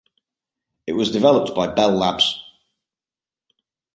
It was developed by Bell Labs.